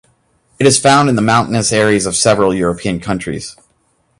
It is found in the mountainous areas of several European countries.